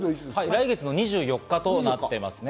来月２４日となっています。